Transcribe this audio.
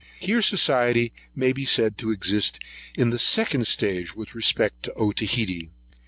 [133 1] Here society may be said to exist in the second stage with respect to Otaheite.